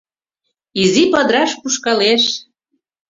Изи падыраш кушкалеш